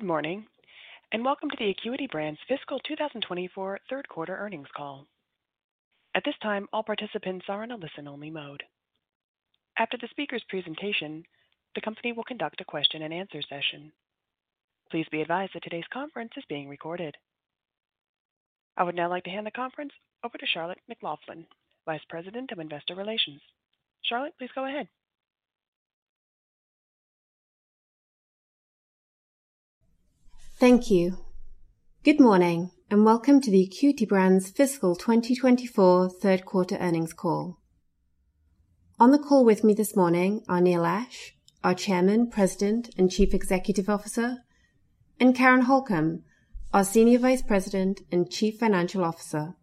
Good morning and welcome to the Acuity Brands' Fiscal 2024 Third Quarter Earnings Call. At this time, all participants are in a listen-only mode. After the speaker's presentation, the company will conduct a question-and-answer session. Please be advised that today's conference is being recorded. I would now like to hand the conference over to Charlotte McLaughlin, Vice President of Investor Relations. Charlotte, please go ahead. Thank you. Good morning and welcome to the Acuity Brands' Fiscal 2024 Third Quarter Earnings Call. On the call with me this morning are Neil Ashe, our Chairman, President and Chief Executive Officer, and Karen Holcom, our Senior Vice President and Chief Financial Officer.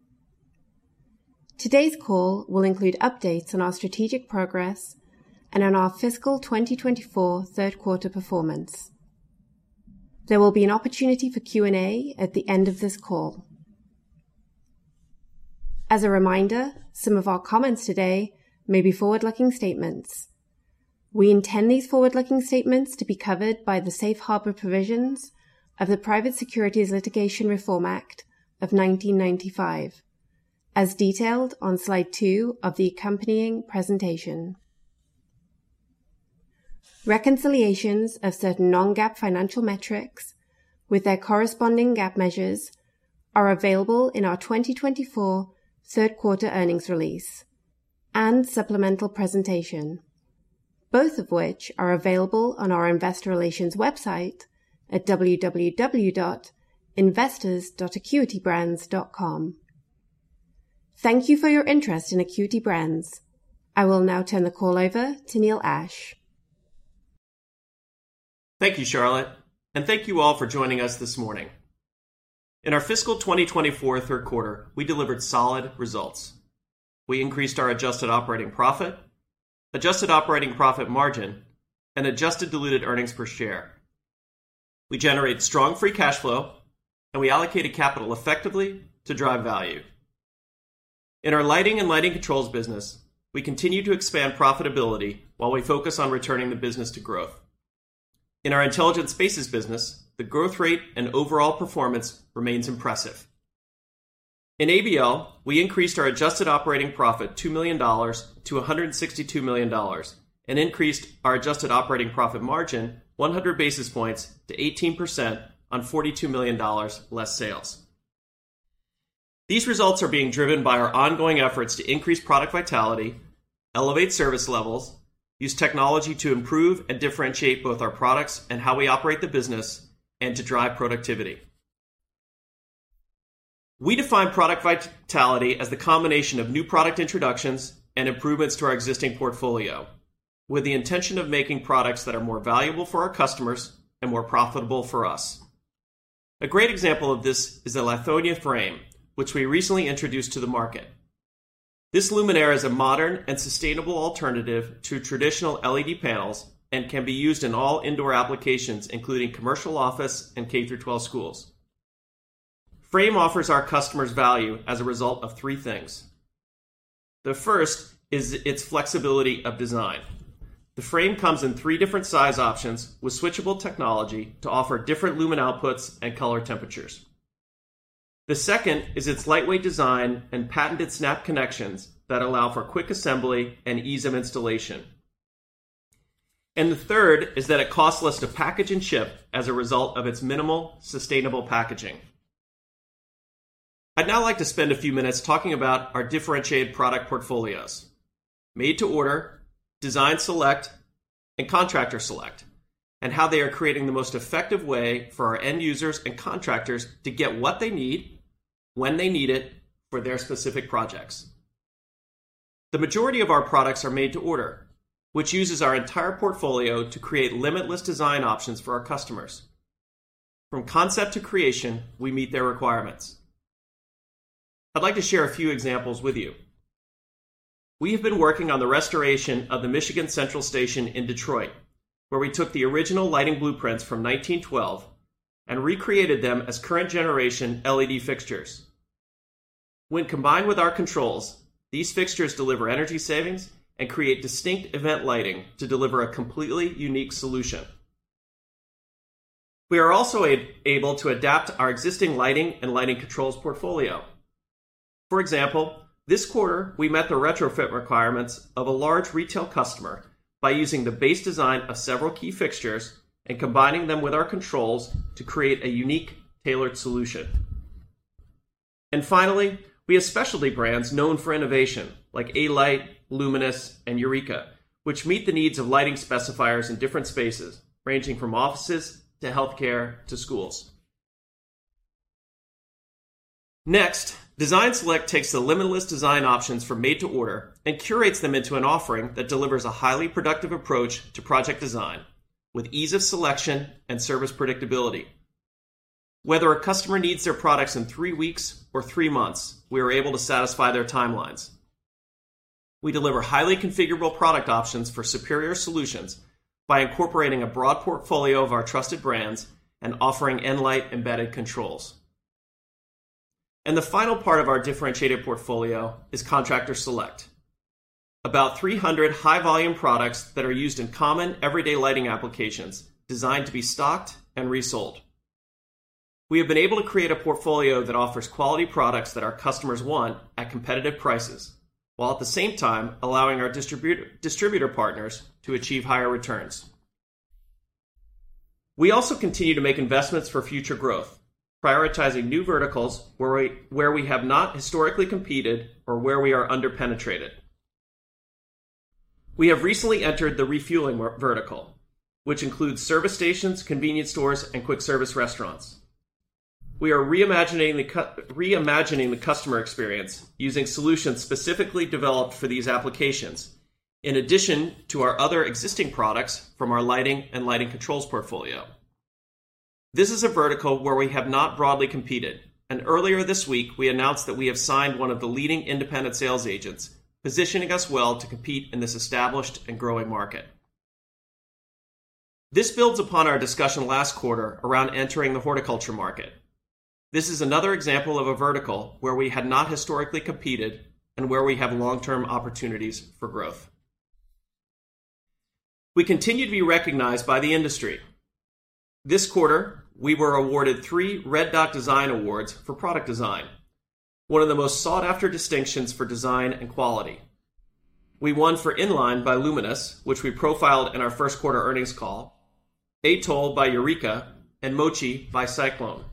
Today's call will include updates on our strategic progress and on our Fiscal 2024 third quarter performance. There will be an opportunity for Q and A at the end of this call. As a reminder, some of our comments today may be forward-looking statements. We intend these forward-looking statements to be covered by the safe harbor provisions of the Private Securities Litigation Reform Act of 1995, as detailed on slide 2 of the accompanying presentation. Reconciliations of certain non-GAAP financial metrics with their corresponding GAAP measures are available in our 2024 third quarter earnings release and supplemental presentation, both of which are available on our Investor Relations website at www.investors.acuitybrands.com. Thank you for your interest in Acuity Brands. I will now turn the call over to Neil Ashe. Thank you, Charlotte, and thank you all for joining us this morning. In our Fiscal 2024 Third Quarter, we delivered solid results. We increased our Adjusted operating profit, Adjusted operating profit margin, and Adjusted diluted earnings per share. We generate strong free cash flow, and we allocated capital effectively to drive value. In our lighting and lighting controls business, we continue to expand profitability while we focus on returning the business to growth. In our Intelligent Spaces business, the growth rate and overall performance remains impressive. In ABL, we increased our Adjusted operating profit $2 million-$162 million and increased our Adjusted operating profit margin 100 basis points to 18% on $42 million less sales. These results are being driven by our ongoing efforts to increase product vitality, elevate service levels, use technology to improve and differentiate both our products and how we operate the business, and to drive productivity. We define product vitality as the combination of new product introductions and improvements to our existing portfolio with the intention of making products that are more valuable for our customers and more profitable for us. A great example of this is the Lithonia Frame which we recently introduced to the market. This luminaire is a modern and sustainable alternative to traditional LED panels and can be used in all indoor applications including commercial, office and K-12 schools. Frame offers our customers value as a result of three things. The first is its flexibility of design. The Frame comes in three different size options with switchable technology to offer different lumen outputs and color temperatures. The second is its lightweight design and patented snap connections that allow for quick assembly and ease of installation. The third is that it costs less to package and ship as a result of its minimal sustainable packaging. I'd now like to spend a few minutes talking about our differentiated product portfolios, Made to Order, Design Select, and Contractor Select, and how they are creating the most effective way for our end users and contractors to get what they need when they need it for their specific projects. The majority of our products are Made to Order, which uses our entire portfolio to create limitless design options for our customers. From concept to creation, we meet their requirements. I'd like to share a few examples with you. We have been working on the restoration of the Michigan Central Station in Detroit where we took the original lighting blueprints from 1912 and recreated them as current generation LED fixtures. When combined with our controls, these fixtures deliver energy savings and create distinct event lighting. To deliver a completely unique solution, we are also able to adapt our existing lighting and lighting controls portfolio. For example, this quarter we met the retrofit requirements of a large retail customer by using the base design of several key fixtures and combining them with our controls to create a unique tailored solution. Finally, we have specialty brands known for innovation like A-Light, Luminis and Eureka, which meet the needs of lighting specifiers in different spaces ranging from offices to healthcare to schools. Next, Design Select takes the limitless design options from Made to Order and curates them into an offering that delivers a highly productive approach to project design with ease of selection and service predictability. Whether a customer needs their products in three weeks or three months, we are able to satisfy their timelines. We deliver highly configurable product options for superior solutions by incorporating a broad portfolio of our trusted brands and offering nLight embedded controls. The final part of our differentiated portfolio is Contractor Select, about 300 high volume products that are used in common everyday lighting applications designed to be stocked and resold. We have been able to create a portfolio that offers quality products that our customers want at competitive prices while at the same time allowing our distributor partners to achieve higher returns. We also continue to make investments for future growth, prioritizing new verticals where we have not historically competed or where we are underpenetrated. We have recently entered the refueling vertical, which includes service stations, convenience stores, and quick-service restaurants. We are reimagining the customer experience using solutions specifically developed for these applications in addition to our other existing products from our lighting and lighting controls portfolio. This is a vertical where we have not broadly competed, and earlier this week we announced that we have signed one of the leading independent sales agents, positioning us well to compete in this established and growing market. This builds upon our discussion last quarter around entering the horticulture market. This is another example of a vertical where we had not historically competed and where we have long-term opportunities for growth. We continue to be recognized by the industry. This quarter, we were awarded three Red Dot Design Awards for product design, one of the most sought-after distinctions for design and quality. We won for Inline by Luminis, which we profiled in our first quarter earnings call, Atoll by Eureka, and Mochi by Cyclone.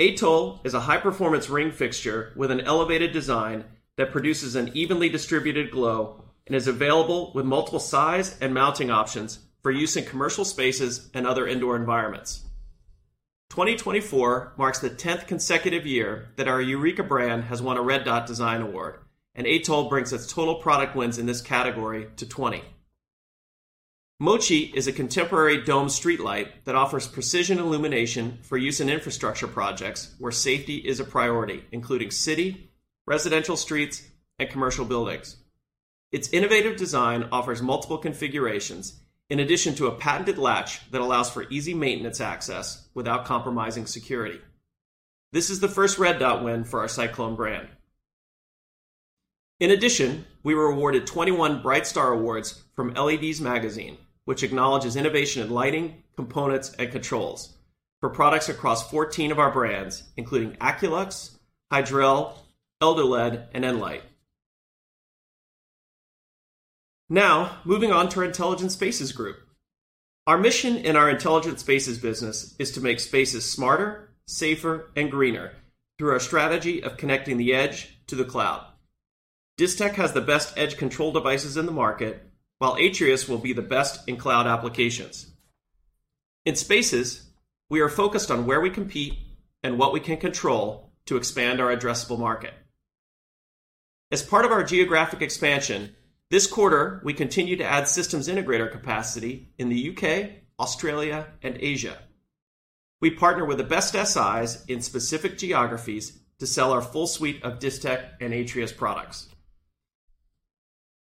Atoll is a high-performance ring fixture with an elevated design that produces an evenly distributed glow and is available with multiple size and mounting options for use in commercial spaces and other indoor environments. 2024 marks the 10th consecutive year that our Eureka brand has won a Red Dot Design Award, and Atoll brings its total product wins in this category to 20. Mochi is a contemporary domed streetlight that offers precision illumination for use in infrastructure projects where safety is a priority, including city, residential streets, and commercial buildings. Its innovative design offers multiple configurations in addition to a patented latch that allows for easy maintenance access without compromising security. This is the first Red Dot win for our Cyclone brand. In addition, we were awarded 21 BrightStar Awards from LEDs Magazine, which acknowledges innovation in lighting components and controls for products across 14 of our brands including Aculux, Hydrel, eldoLED and nLight. Now moving on to our Intelligent Spaces Group. Our mission in our Intelligent Spaces business is to make spaces smarter, safer and greener through our strategy of connecting the edge to the cloud. Distech has the best edge control devices in the market, while Atrius will be the best in cloud applications in spaces. We are focused on where we compete and what we can control to expand our addressable market. As part of our geographic expansion this quarter, we continue to add systems integrator capacity in the U.K., Australia and Asia. We partner with the best SIs in specific geographies to sell our full suite of Distech and Atrius products.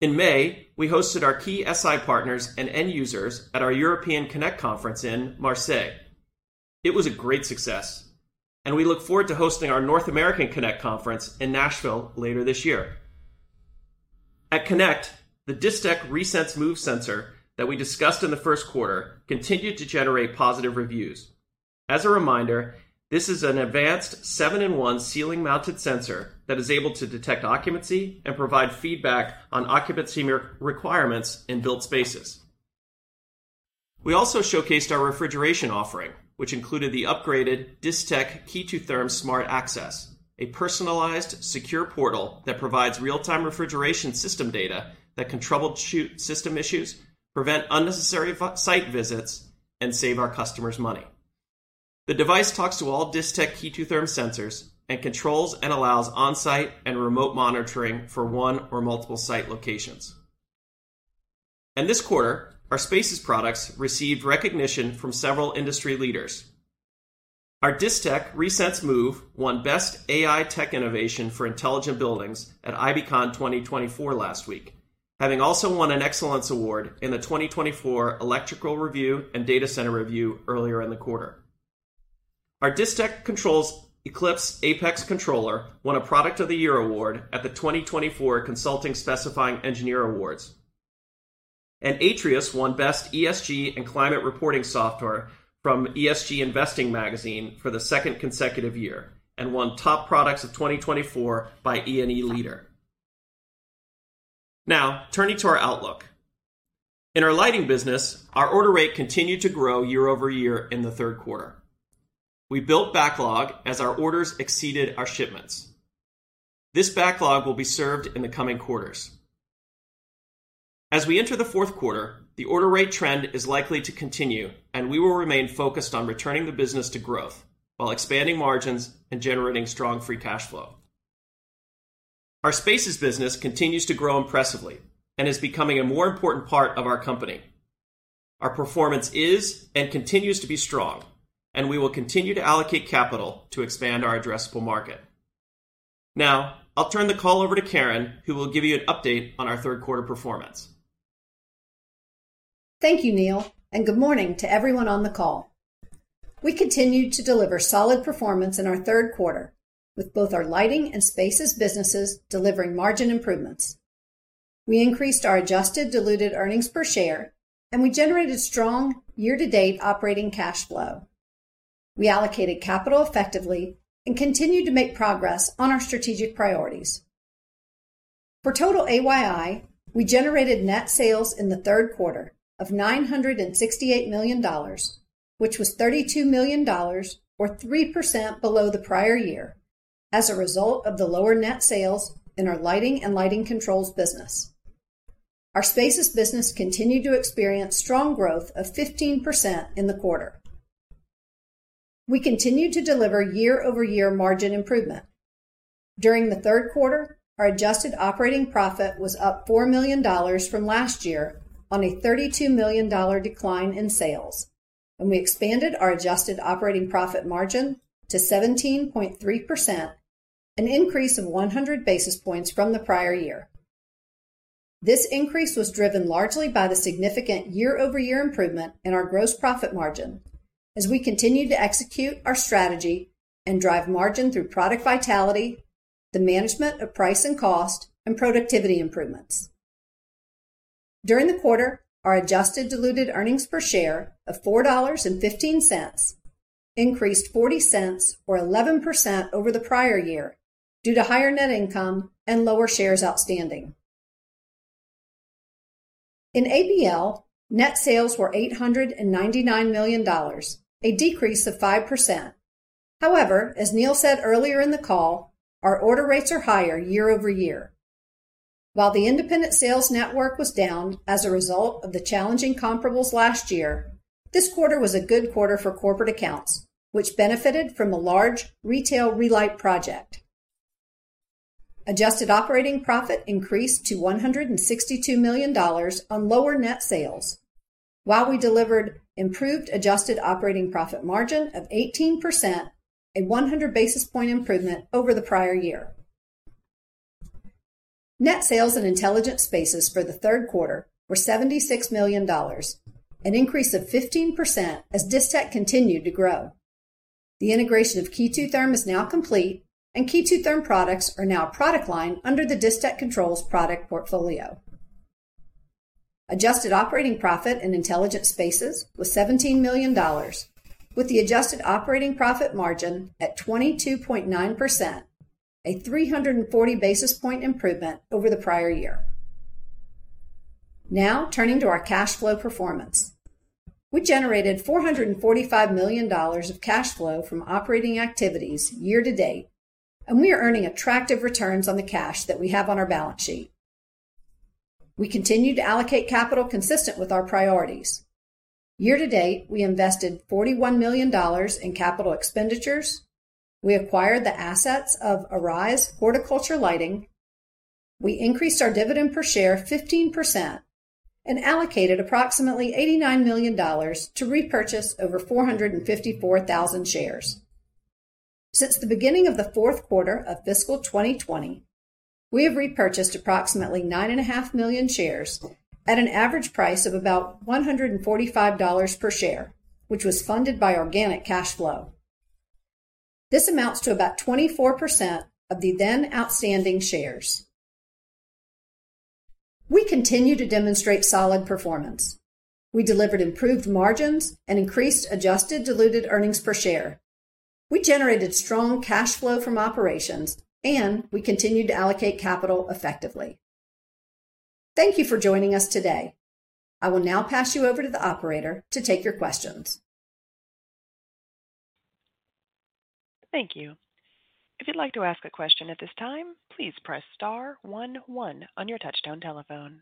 In May, we hosted our key SI partners and end users at our European Connect Conference in Marseille. It was a great success and we look forward to hosting our North American Connect Conference in Nashville later this year. At Connect, the Distech Resense Move sensor that we discussed in the first quarter continued to generate positive reviews. As a reminder, this is an advanced 7-in-1 ceiling-mounted sensor that is able to detect occupancy and provide feedback on occupancy requirements in vital spaces. We also showcased our refrigeration offering which included the upgraded Distech KE2 Therm Smart Access, a personalized secure portal that provides real-time refrigeration system data that can troubleshoot system issues, prevent unnecessary site visits and save our customers money. The device talks to all Distech KE2 Therm sensors and controls and allows on-site and remote monitoring for one or multiple site locations and this quarter our Spaces products received recognition from several industry leaders. Our Distech Resense Move won Best AI Tech Innovation for Intelligent Buildings at IBcon 2024 last week, having also won an Excellence award in the 2024 Electrical Review and Data Centre Review. Earlier in the quarter, our Distech Controls ECLYPSE Apex Controller won a Product of the Year award at the 2024 Consulting-Specifying Engineer Awards, and Atrius won Best ESG and Climate Reporting Software from ESG Investing magazine for the second consecutive year and won Top Products of 2024 by E+E Leader. Now turning to our outlook in our lighting business, our order rate continued to grow year-over-year. In the third quarter we built backlog as our orders exceeded our shipments. This backlog will be served in the coming quarters. As we enter the fourth quarter, the order rate trend is likely to continue and we will remain focused on returning the business to growth while expanding margins and generating strong free cash flow. Our Spaces business continues to grow impressively and is becoming a more important part of our company. Our performance is and continues to be strong and we will continue to allocate capital to expand our addressable market. Now I'll turn the call over to Karen who will give you an update on our third quarter performance. Thank you Neil and good morning to everyone on the call. We continued to deliver solid performance in our third quarter with both our lighting and Spaces businesses delivering margin improvements. We increased our adjusted diluted earnings per share and we generated strong year-to-date operating cash flow. We allocated capital effectively and continued to make progress on our strategic priorities for total ABL. We generated net sales in the third quarter of $968 million which was $32 million or 3% below the prior year. As a result of the lower net sales in our lighting and lighting controls business, our Spaces business continued to experience strong growth of 15% in the quarter. We continued to deliver year-over-year margin improvement. During the third quarter, our adjusted operating profit was up $4 million from last year on a $32 million decline in sales and we expanded our adjusted operating profit margin to 17.3%, an increase of 100 basis points from the prior year. This increase was driven largely by the significant year-over-year improvement in our gross profit margin as we continue to execute our strategy and drive margin through product vitality, the management of price and cost and productivity improvements. During the quarter, our adjusted diluted earnings per share of $4.15 increased $0.40 or 11% over the prior year due to higher net income and lower shares outstanding. In ABL, net sales were $899 million, a decrease of 5%. However, as Neil said earlier in the call, our order rates are higher year-over-year while the independent sales network was down as a result of the challenging comparables last year. This quarter was a good quarter for corporate accounts, which benefited from a large retail relight project. Adjusted operating profit increased to $162 million on lower net sales while we delivered improved adjusted operating profit margin of 18%, a 100 basis point improvement over the prior year. Net sales in Intelligent Spaces for the third quarter were $76 million, an increase of 15% as Distech continued to grow. The integration of KE2 Therm is now complete and KE2 Therm products are now product line under the Distech Controls. Product portfolio Adjusted operating profit in Intelligent Spaces was $17 million with the adjusted operating profit margin at 22.9%, a 340 basis point improvement over the prior year. Now turning to our cash flow performance, we generated $445 million of cash flow from operating activities year to date and we are earning attractive returns on the cash that we have on our balance sheet. We continue to allocate capital consistent with our priorities. Year to date, we invested $41 million in capital expenditures. We acquired the assets of Arize Horticulture Lighting. We increased our dividend per share 15% and allocated approximately $89 million to repurchase over 454,000 shares. Since the beginning of the fourth quarter of fiscal 2020, we have repurchased approximately 9.5 million shares at an average price of about $145 per share, which was funded by organic cash flow. This amounts to about 24% of the then outstanding shares. We continue to demonstrate solid performance. We delivered improved margins and increased Adjusted diluted earnings per share. We generated strong cash flow from operations and we continued to allocate capital effectively. Thank you for joining us today. I will now pass you over to the operator to take your questions. Thank you. If you'd like to ask a question at this time, please press star 1 1 on your touchtone telephone.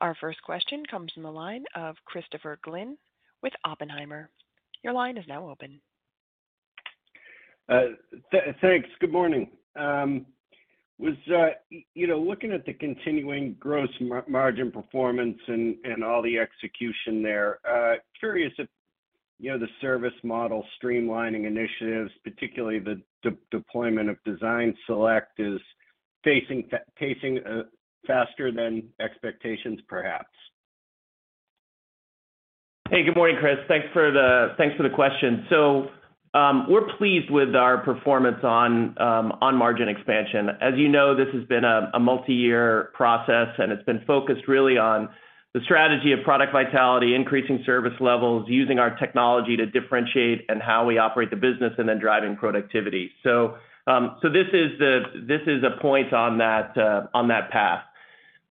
Our first question comes from the line of Christopher Glynn with Oppenheimer. Your line is now open. Thanks. Good morning. Looking at the continuing gross margin performance and all the execution there. Curious if you see the service model streamlining initiatives, particularly the deployment of Design Select, is pacing faster than expectations, perhaps? Hey, good morning Chris. Thanks for the question. So we're pleased with our performance on margin expansion. As you know, this has been a multi-year process and it's been focused really on the strategy of product vitality, increasing service levels, using our technology to differentiate and how we operate the business and then driving productivity. So this is a point on that path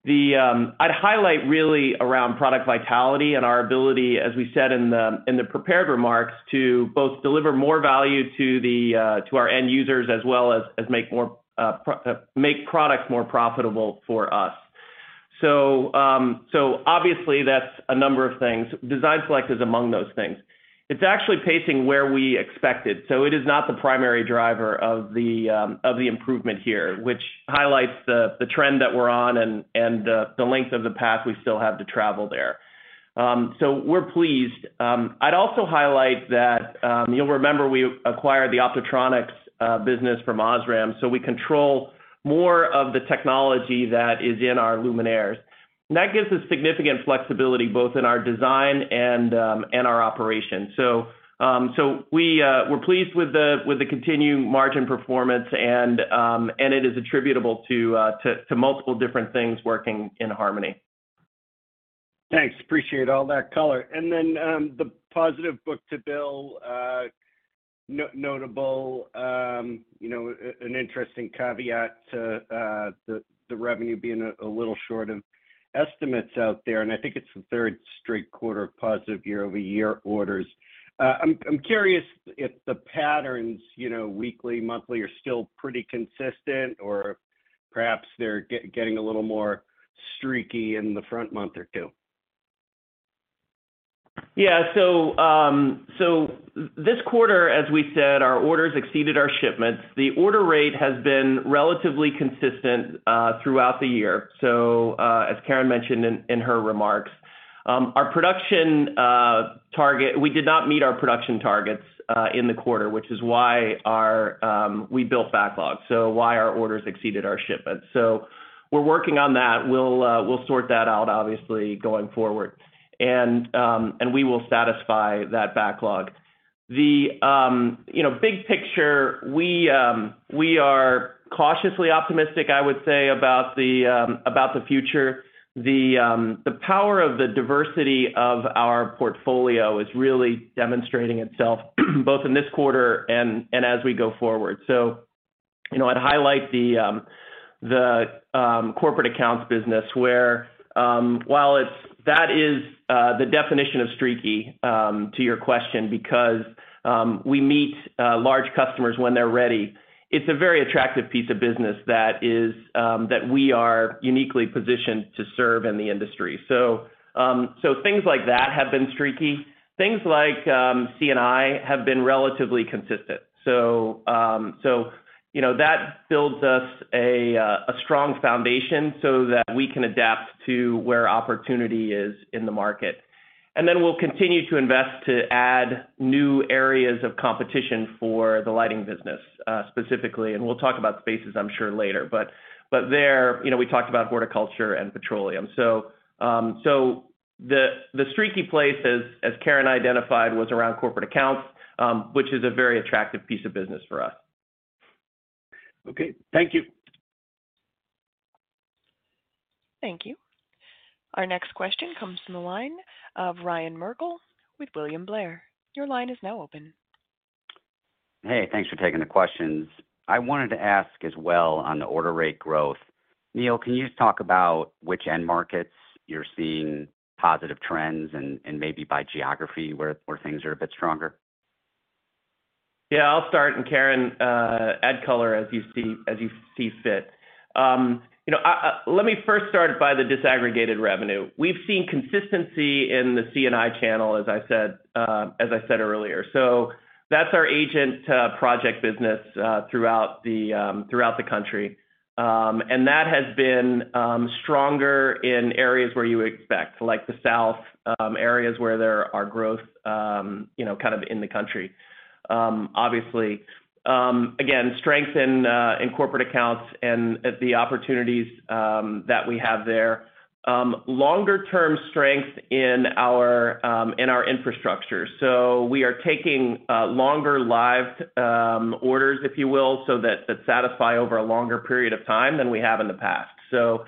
I'd highlight really around product vitality and our ability, as we said in the prepared remarks, to both deliver more value to our end users as well as make products more profitable for us. So obviously that's a number of things. Design Select is among those things. It's actually pacing where we expected. So it is not the primary driver of the improvement here which highlights the trend that we're on and the length of the path we still have to travel there. So we're pleased. I'd also highlight that you'll remember we acquired the Optotronics business from OSRAM so we control more of the technology that is in our luminaires that gives us significant flexibility both in our design and our operations. So we're pleased with the continued margin performance and it is attributable to multiple different things working in harmony. Thanks. Appreciate all that color, and then the positive book-to-bill notable, an interesting caveat to the revenue being a little short of estimates out there, and I think it's the third straight quarter of positive year-over-year orders. I'm curious if the patterns, you know, weekly monthly are still pretty consistent or perhaps they're getting a little more streaky in the front month or two. Yeah. So this quarter, as we said, our orders exceeded our shipments. The order rate has been relatively consistent throughout the year. So as Karen mentioned in her remarks, our production target, we did not meet our production targets in the quarter, which is why we built backlog, so why our orders exceeded our shipments. So we're working on that. We'll sort that out obviously going forward and we will satisfy that backlog. The big picture, we are cautiously optimistic, I would say, about the future, the power of the diversity of our portfolio is really demonstrating itself both in this quarter and as we go forward. So I'd highlight the corporate accounts business where while that is the definition of streaky to your question, because we meet large customers when they're ready, it's a very attractive piece of business that we are uniquely positioned to serve in the industry. So things like that have been streaky, things like C&I have been relatively consistent. So that builds us a strong foundation so that we can adapt to where opportunity is in the market. And then we'll continue to invest to add new areas of competition for the lighting business specifically. And we'll talk about spaces, I'm sure later, but, but there we talked about horticulture and petroleum. So the streaky place as Karen identified was around corporate accounts, which is a very attractive piece of business for us. Okay, thank you. Thank you. Our next question comes from the line of Ryan Merkel with William Blair. Your line is now open. Hey, thanks for taking the questions. I wanted to ask as well on the order rate growth. Neil, can you just talk about which end markets you're seeing positive trends and maybe by geography where things are a bit stronger? Yeah, I'll start. And Karen, add color as you see fit. Let me first start by the disaggregated revenue. We've seen consistency in the C&I channel as I said, as I said earlier. So that's our agent project business throughout the country. And that has been stronger in areas where you expect like the south areas where there are growth, you know, kind of in the country obviously again, strength in corporate accounts and the opportunities that we have there, longer term strength in our, in our infrastructure. So we are taking longer live orders, if you will, so that satisfy over a longer period of time than we have in the past. So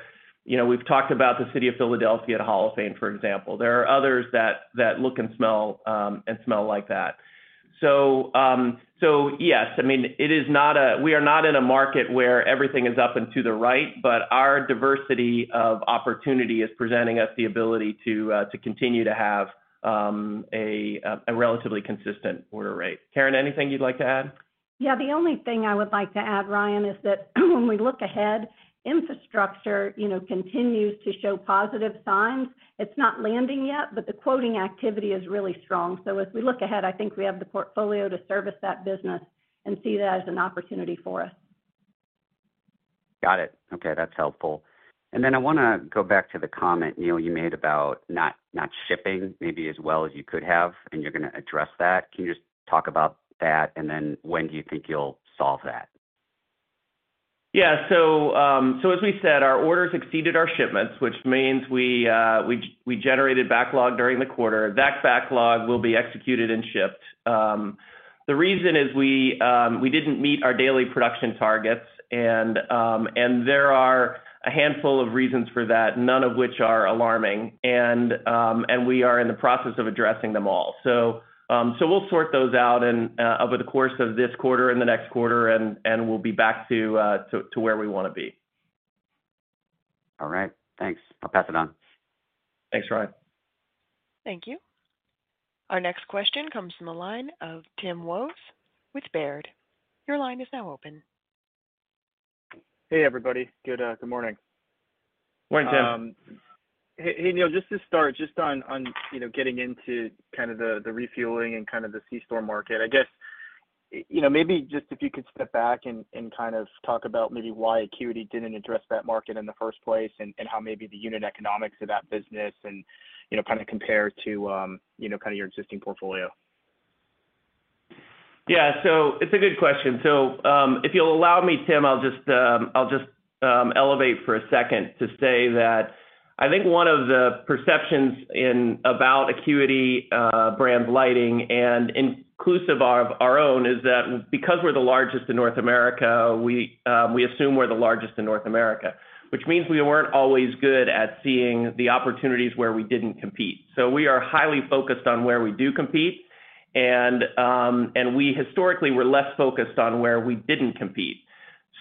you know, we've talked about the city of Philadelphia at Holophane for example. There are others that look and smell and smell like that. So yes, I mean it is not. We are not in a market where everything is up and to the right. But our diversity of opportunity is presenting us the ability to continue to have a relatively consistent order rate. Karen, anything you'd like to add? Yeah, the only thing I would like to add, Ryan, is that when we look ahead, infrastructure continues to show positive signs. It's not landing yet, but the quoting activity is really strong. So as we look ahead, I think we have the portfolio to service that business and see that as an opportunity for us. Got it. Okay, that's helpful. And then I want to go back to the comment Neil you made about not shipping maybe as well as you could have. And you're going to. Can you just talk about that and then when do you think you'll solve that? Yeah. So as we said, our orders exceeded our shipments, which means we generated backlog during the quarter. That backlog will be executed and shipped. The reason is we didn't meet our daily production targets. And there are a handful of reasons for that, none of which are alarming. And we are in the process of addressing them all, so. So we'll sort those out over the course of this quarter and the next quarter and we'll be back to where we want to be. All right, thanks. I'll pass it on. Thanks, Ryan. Thank you. Our next question comes from the line of Tim Wojs with Baird. Your line is now open. Hey, everybody. Good morning, Tim. Hey, Neil. Just to start, just on getting into. Kind of the refueling and kind of. The C-store market, I guess maybe just if you could step back and kind of talk about maybe why Acuity didn't address that market in the first place and how maybe the unit economics of that business and kind of compare to your existing portfolio. Yeah, so it's a good question. So if you'll allow me, Tim, I'll just elevate for a second to say that I think one of the perceptions about Acuity Brands Lighting and inclusive of our own is that because we're the largest in North America, we assume we're the largest in North America, which means we weren't always good at seeing the opportunities where we didn't compete. So we are highly focused on where we do compete, and we historically were less focused on where we didn't compete.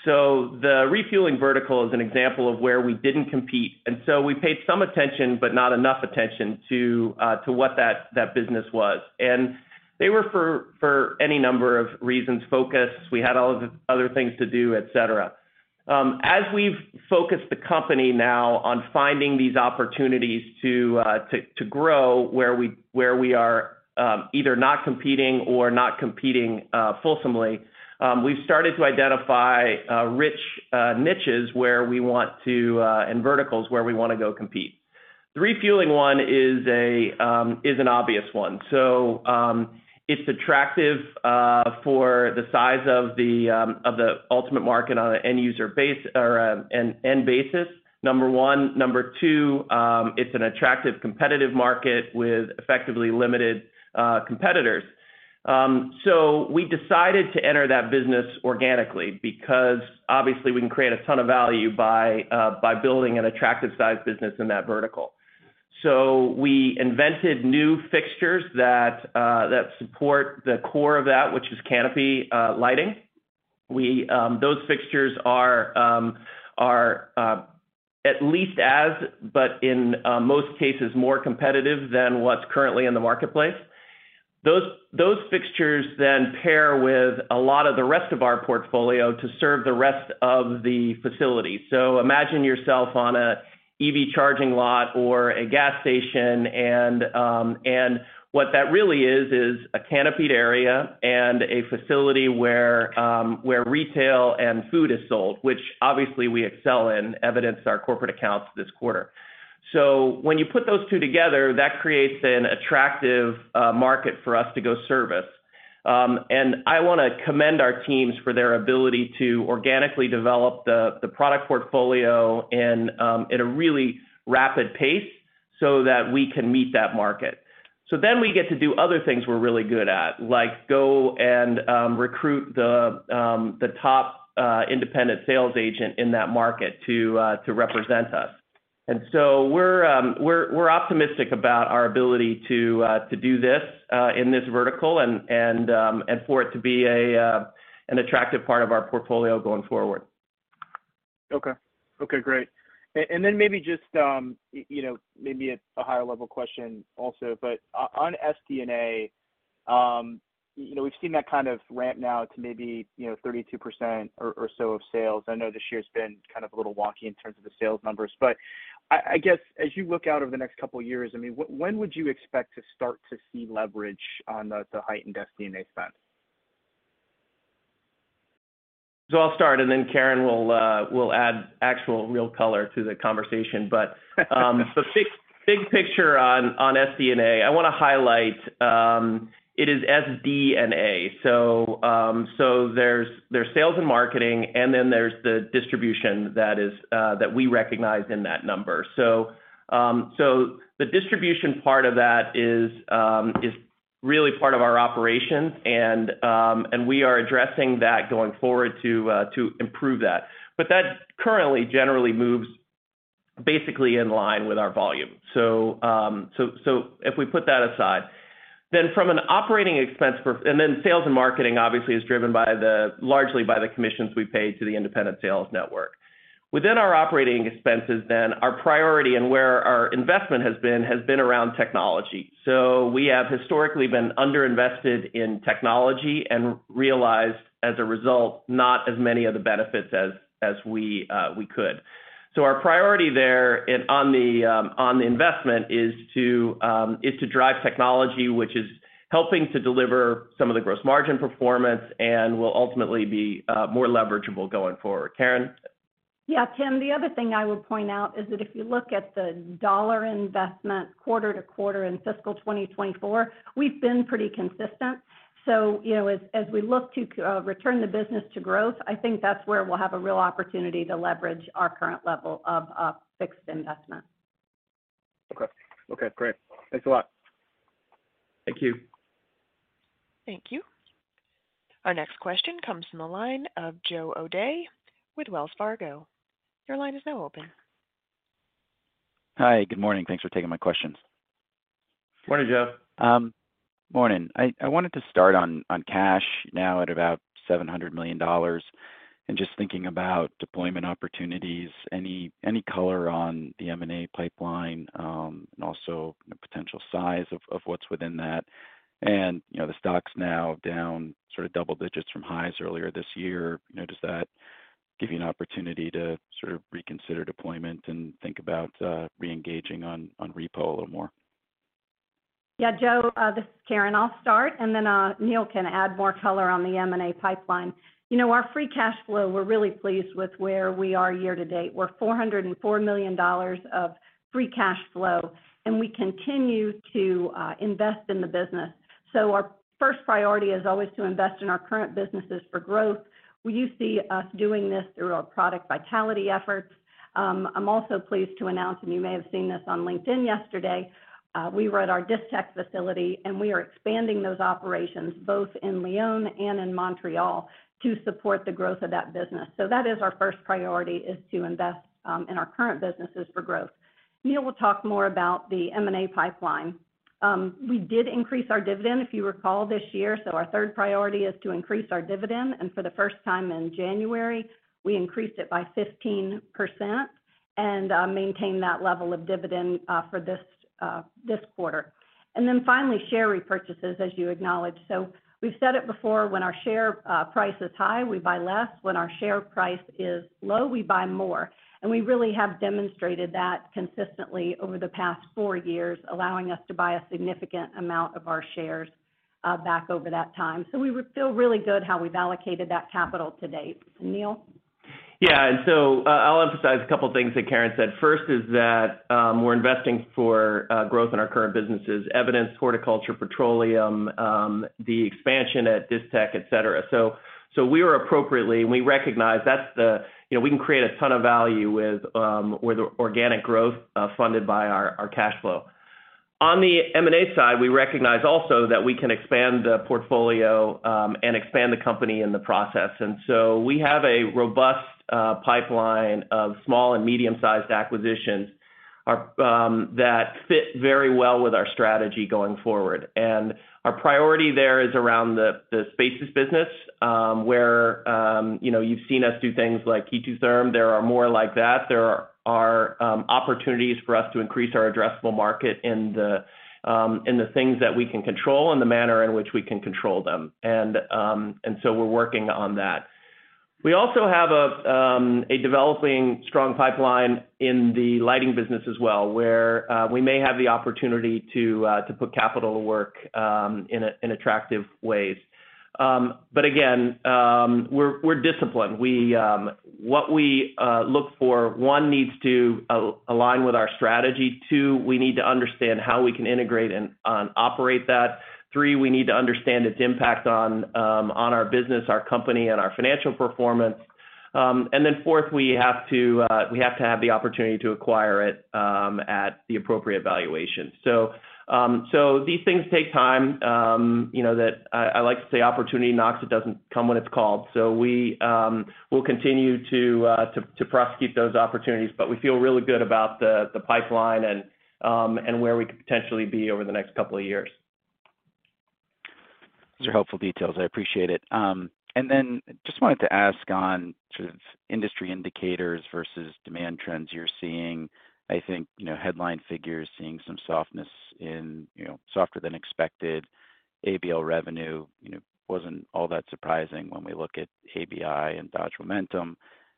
So the refueling vertical is an example of where we didn't compete. And so we paid some attention, but not enough attention to what that business was. And they were, for any number of reasons, focused. We had all other things to do, et cetera, as we've focused the company now on finding these opportunities to grow where we are either not competing or not competing fulsomely. We've started to identify rich niches where we want to and verticals where we want to go compete. The refueling one is an obvious one. So it's attractive for the size of the ultimate market on an end user base or end basis, number one. Number two, it's an attractive competitive market with effectively limited competitors. So we decided to enter that business organically because obviously we can create a ton of value by building an attractive size business in that vertical. So we invented new fixtures that support the core of that, which is canopy lighting, those fixtures are at least as, but in most cases more competitive than what's currently in the marketplace. Those fixtures then pair with a lot of the rest of our portfolio to serve the rest of the facility. So imagine yourself on an EV charging lot or a gas station and what that really is is a canopied area and a facility where retail and food is sold, which obviously we excel in, evidenced our corporate accounts this quarter. So when you put those two together, that creates an attractive market for us to go service. And I want to commend our teams for their ability to organically develop the product portfolio at a really rapid pace so that we can meet that market. So then we get to do other things we're really good at, like go and recruit the top independent sales agent in that market to represent us. And so we're optimistic about our ability to do this in this vertical and for it to be an attractive part of our portfolio going forward. Okay. Okay, great. And then maybe, just maybe a higher level question also, but on SD&A we've seen that kind of ramp now to maybe 32% or so of sales. I know this year's been kind of a little wonky in terms of the sales numbers, but I guess as you look out over the next couple years, when would you expect to start to see leverage on the heightened SD&A spend? So I'll start and then Karen will add actual real color to the conversation. But the big picture on SG&A I want to highlight it is SG&A. So there's sales and marketing and then there's the distribution that is that we recognize in that number. So the distribution part of that is really part of our operations and we are addressing that going forward to improve that. But that currently generally moves basically in line with our volume. So if we put that aside then from an operating expense and then sales and marketing obviously is driven by the largely by the commissions we pay to the independent sales network within our operating expenses. Then our priority and where our investment has been has been around technology. So we have historically been underinvested in technology and realized as a result not as many of the benefits as we could. So our priority there on the investment is to drive technology, which is helping to deliver some of the gross margin performance and will ultimately be more leverageable going forward. Karen? Yeah, Kim. The other thing I would point out is that if you look at the dollar investment quarter to quarter in Fiscal 2024, we've been pretty consistent. So you know, as we look to return the business to growth, I think that's where we'll have a real opportunity to leverage our current level of fixed investment. Okay. Okay, great. Thanks a lot. Thank you. Thank you. Our next question comes from the line of Joe O'Dea with Wells Fargo. Your line is now open. Hi, good morning. Thanks for taking my questions. Morning, Joe. Morning. I wanted to start on cash now at about $700 million and just thinking about deployment opportunities. Any color on the M and A pipeline and also potential size of what's within that, and the stock's now down sort of double digits from highs earlier this year. Does that give you an opportunity to sort of reconsider deployment and think about re-engaging on repo a little more? Yeah. Joe, this is Karen. I'll start and then Neil can add more color on the M and A pipeline. You know, our free cash flow. We're really pleased with where we are. Year to date. We're $404 million of free cash flow. And we continue to invest in the business. So our first priority is always to invest in our current businesses for growth. You see us doing this through our product vitality efforts. I'm also pleased to announce, and you may have seen this on LinkedIn yesterday, we were at our Distech facility and we are expanding those operations both in Lyon and in Montreal to support the growth of that business. So that is, our first priority, is to invest in our current businesses for growth. Neil will talk more about the M&A pipeline. We did increase our dividend, if you recall, this year. So our third priority is to increase our dividend. For the first time in January, we increased it by 15% and maintained that level of dividend for this quarter. Then finally, share repurchases, as you acknowledged. We've said it before, when our share price is high, we buy less. When our share price is low, we buy more. We really have demonstrated that consistently over the past four years, allowing us to buy a significant amount of our shares back over that time. We feel really good how we've allocated that capital to date. Neil? Yeah, so I'll emphasize a couple things that Karen said. First is that we're investing for growth in our current businesses. E.g., horticulture, petroleum, the expansion at Distech, et cetera. So. So we were appropriately. And we recognize that's the, you know, we can create a ton of value with organic growth funded by our cash flow. On the M&A side, we recognize also that we can expand the portfolio and expand the company in the process. And so we have a robust pipeline of small and medium-sized acquisitions that fit very well with our strategy going forward. And our priority there is around the spaces business where you've seen us do things like KE2 Therm, there are more like that. There are opportunities for us to increase our addressable market in the things that we can control and the manner in which we can control them. And so we're working on that. We also have a developing strong pipeline in the lighting business as well where we may have the opportunity to put capital to work in attractive ways. But again, we're disciplined. What we look for, one, needs to align with our strategy. Two, we need to understand how we can integrate and operate that. Three, we need to understand its impact on our business, our company and our financial performance. And then fourth, we have to have the opportunity to acquire it at the appropriate valuation. So these things take time. I like to say opportunity knocks, it doesn't come when it's called. So we will continue to prosecute those opportunities. But we feel really good about the pipeline and where we could potentially be over the next couple of years. Those are helpful details. I appreciate it. And then just wanted to ask, on industry indicators versus demand trends you're seeing, I think headline figures seeing some softness in softer than expected ABL revenue wasn't all that surprising when we look at ABI and Dodge Momentum,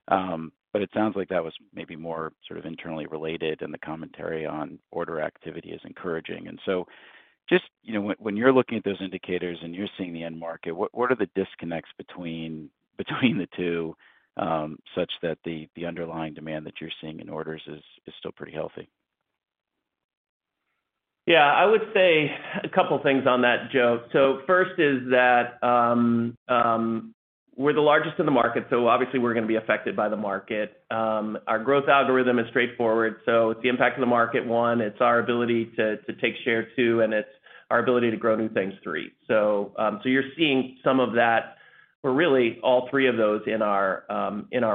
but it sounds like that was maybe more sort of internally related. And the commentary on order activity is encouraging. And so just when you're looking at those indicators and you're seeing the end market, what are the disconnects between the two such that the underlying demand that you're seeing in orders is still pretty healthy? Yeah, I would say a couple things on that, Joe. So first is that we're the largest in the market, so obviously we're going to be affected by the market. Our growth algorithm is straightforward. So it's the impact of the market. One, it's our ability to take share. Two, and it's our ability to grow new things. Three, so you're seeing some of that or really all three of those in our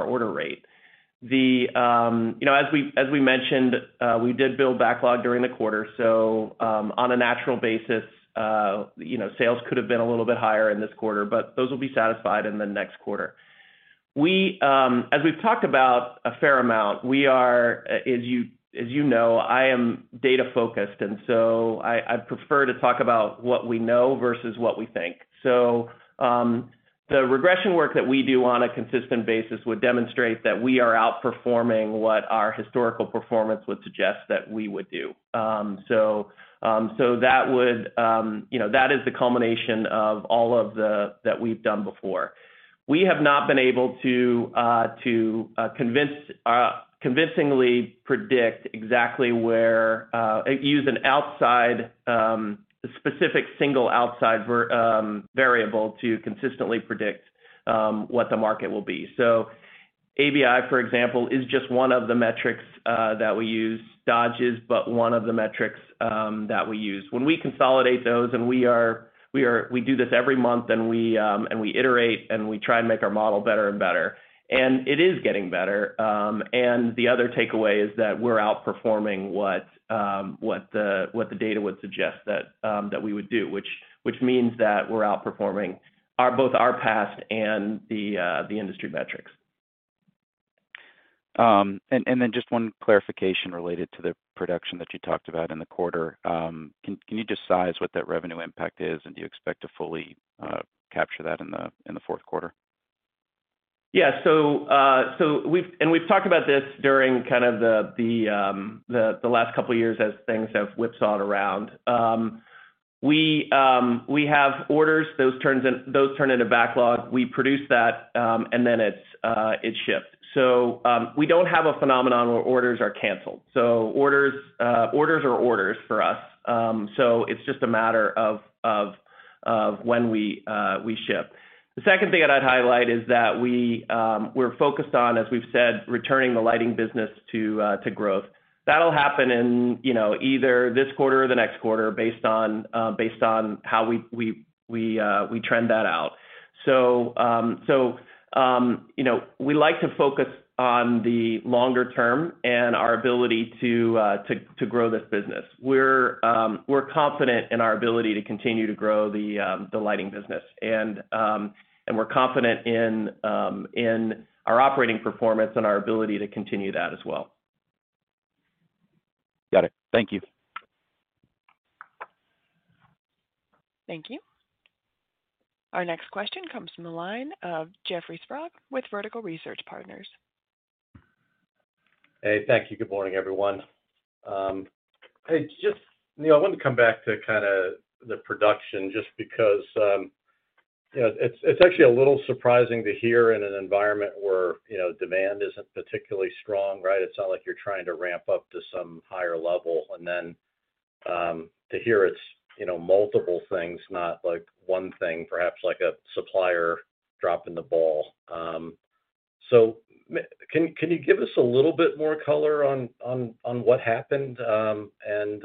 order rate. Then, you know, as we mentioned, we did build backlog during the quarter. So on a natural basis, you know, sales could have been a little bit higher in this quarter, but those will be satisfied in the next quarter. We, as we've talked about a fair amount, we are, as you know, I am data focused and so I prefer to talk about what we know versus what we think. So the regression work that we do on a consistent basis would demonstrate that we are outperforming what our historical performance would suggest that we would do so. That would, you know, that is the culmination of all of the that we've done before. We have not been able to convincingly predict exactly where we use an outside specific single outsize variable to consistently predict what the market will be. So ABI, for example, is just one of the metrics that we use. Dodge is but one of the metrics that we use when we consolidate those. And we do this every month and we iterate and we try and make our model better and better, and it is getting better. And the other takeaway is that we're outperforming what the data would suggest that we would do, which means that we're outperforming both our past and the industry metrics. And then just one clarification related to the production that you talked about in the quarter. Can you just size what that revenue impact is, and do you expect to fully capture that in the fourth quarter? Yeah. And we've talked about this during kind of the last couple years as things have whipsawed around. We have orders, those turn into backlog. We produce that and then it shipped. So we don't have a phenomenon where orders are canceled. So orders are orders for us. So it's just a matter of when we ship. The second thing that I'd highlight is that we're focused on, as we've said, returning the lighting business to growth. That'll happen in either this quarter or the next quarter. Based on how we trend that out. We like to focus on the longer term and our ability to grow this business. We're confident in our ability to continue to grow the lighting business, and we're confident in our operating performance and our. Ability to continue that as well. Got it. Thank you. Thank you. Our next question comes from the line of Jeffrey Sprague with Vertical Research Partners. Hey. Thank you. Good morning, everyone. Hey, just I wanted to come back to kind of the production just because, you know, it's actually a little surprising to hear in an environment where, you know, demand isn't particularly strong, right? It's not like you're trying to ramp up to some higher level and then to hear it's, you know, multiple things, not like one thing, perhaps like a supplier dropping the ball. So can you give us a little bit more color on what happened? And,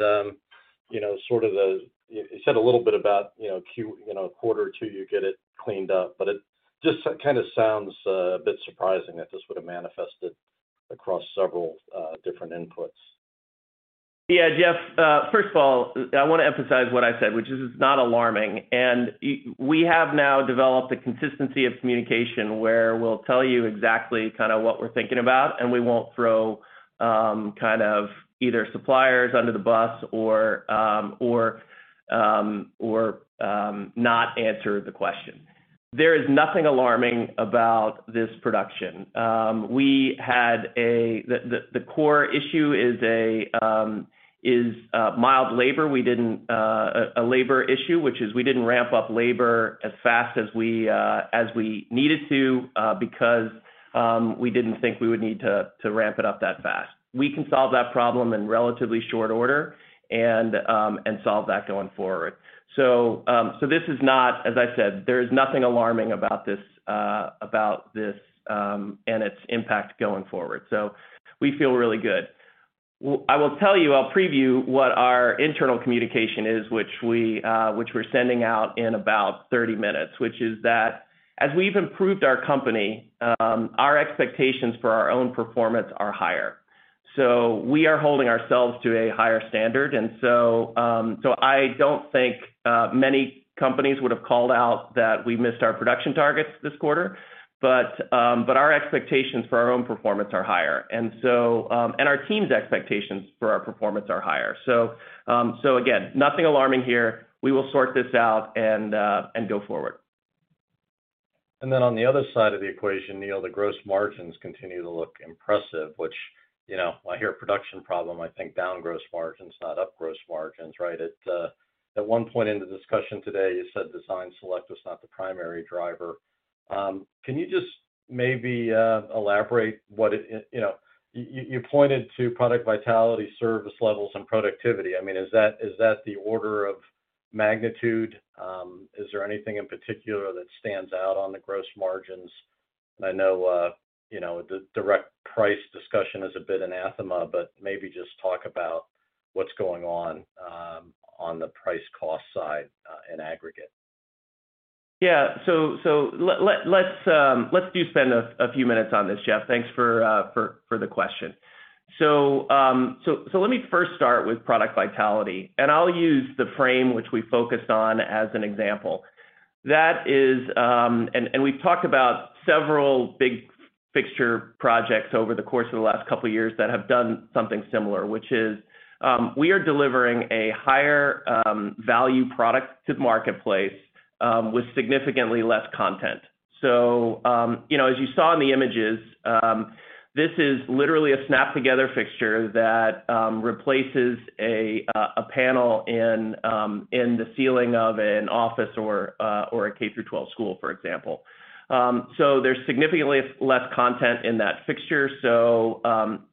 you know, sort of the. You said a little bit about, you know, a quarter or two, you get it cleaned up. But it just kind of sounds a bit surprising that this would have manifested across several different inputs. Yeah. Jeff, first of all, I want to emphasize what I said, which is it's not alarming. We have now developed a consistency of communication where we'll tell you exactly kind of what we're thinking about and we won't throw kind of either suppliers under the bus or not answer the question. There is nothing alarming about this production. The core issue is a labor issue, which is we didn't ramp up labor as fast as we needed to because we didn't think we would need to ramp it up that fast. We can solve that problem in relatively short order and solve that going forward. So this is not, as I said, there is nothing alarming about this and its impact going forward. So we feel really good. I will tell you, I'll preview what our internal communication is, which we're sending out in about 30 minutes, which is that as we've improved our company, our expectations for our own performance are higher. So we are holding ourselves to a higher standard. And so I don't think many companies would have called out that we missed our production targets this quarter, but our expectations for our own performance are higher and our team's expectations for our performance are higher. So again, nothing alarming here. We will sort this out and go forward. And then on the other side of the equation, Neil, the gross margins continue to look impressive, which, you know, I hear production problem, I think down gross margins, not up gross margins. Right. At one point in the discussion today, you said Design Select was not the primary driver. Can you just maybe elaborate what it, you know, you pointed to product vitality, service levels and productivity. I mean, is that the order of magnitude? Is there anything in particular that stands out on the gross margins? I know the direct price discussion is a bit anathema, but maybe just talk about what's going on on the price cost side in aggregate. Yeah. So let's spend a few minutes on this, Jeff. Thanks for the question. So let me first start with product vitality. And I'll use the Frame, which we focused on, as an example, that is. And we've talked about several big fixture projects over the course of the last couple years that have done something similar, which is we are delivering a higher value product to the marketplace with significantly less content. So as you saw in the images, this is literally a snap-together fixture that replaces a panel in the ceiling of an office or a case of. Through 12 school, for example. So there's significantly less content in that fixture. So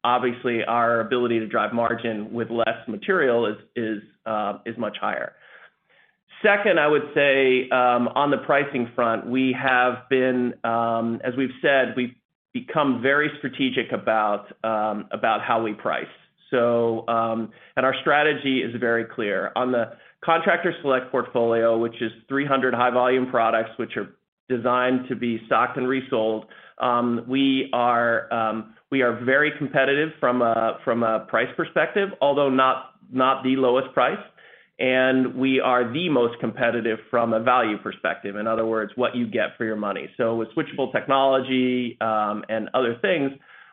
obviously our ability to drive margin with less material is much higher. Second, I would say on the pricing front we have been, as we've said, we become very strategic about how we price and our strategy is very clear on the Contractor Select portfolio, which is 300 high volume products which are designed to be stocked and resold. We are very competitive from a price perspective, although not the lowest price, and we are the most competitive from a value perspective. In other words, what you get for your money. So with switchable technology and other things,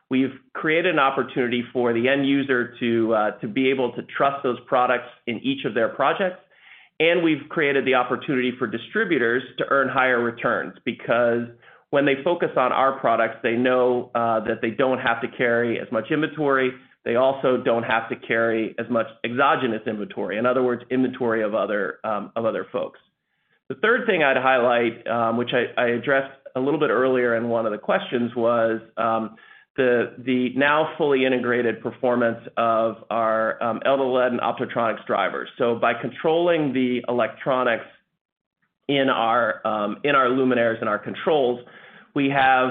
we've created an opportunity for the end user to be able to trust those products in each of their projects. And we've created the opportunity for distributors to earn higher returns because when they focus on our products, they know that they don't have to carry as much inventory. They also don't have to carry as much exogenous inventory, in other words, inventory of other folks. The third thing I'd highlight, which I addressed a little bit earlier in one of the questions, was the now fully integrated performance of our eldoLED and Optotronics drivers. So by controlling the electronics, electronics in our luminaires and our controls, we have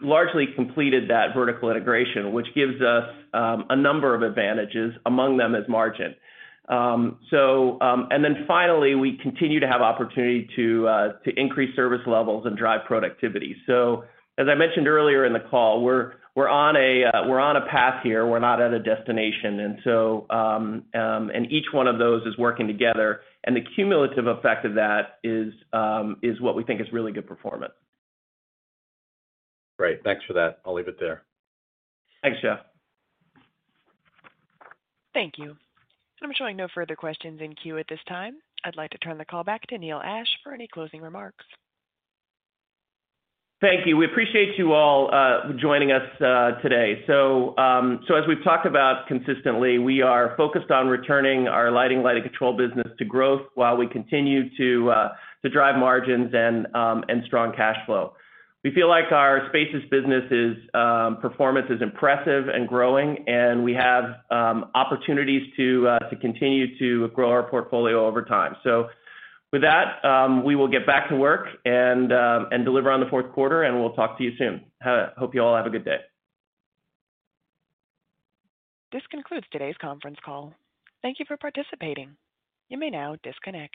largely completed that vertical integration which gives us a number of advantages. Among them is margin. And then finally we continue to have opportunity to increase service levels and drive productivity. So as I mentioned earlier in the call, we're on a path here, we're not at a destination. And each one of those is working together. The cumulative effect of that is what we think is really good performance. Great, thanks for that. I'll leave it there. Thanks, Jeff. Thank you. I'm showing no further questions in queue at this time. I'd like to turn the call back to Neil Ashe for any closing remarks. Thank you. We appreciate you all joining us today. So as we consistently talk about, we are focused on returning our lighting control business to growth. While we continue to drive margins and strong cash flow, we feel like our Spaces business performance is impressive and growing and we have opportunities to continue to grow our portfolio over time. So with that we will get back to work and deliver on the fourth quarter and we'll talk to you soon. Hope you all have a good day. This concludes today's conference call. Thank you for participating. You may now disconnect.